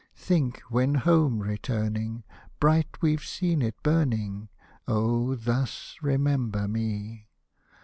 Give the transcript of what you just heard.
Think, when home returning, Bright we've seen it burning, Oh ! thus remember me.